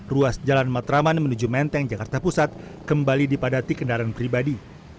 ruas jalan matraman menuju menteng jakarta pusat kembali dipadati kendaraan pribadi